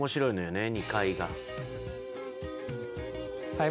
はい。